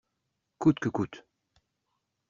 Coûte que coûte.